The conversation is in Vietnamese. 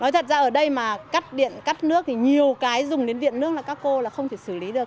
thật ra ở đây mà cắt điện cắt nước thì nhiều cái dùng đến viện nước là các cô là không thể xử lý được